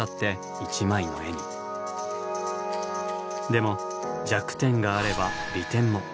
でも弱点があれば利点も。